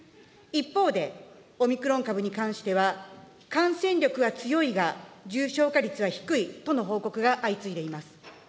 一方で、オミクロン株に関しては、感染力は強いが、重症化率は低いとの報告が相次いでいます。